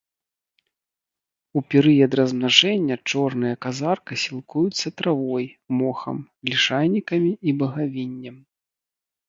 У перыяд размнажэння чорныя казарка сілкуюцца травой, мохам, лішайнікамі і багавіннем.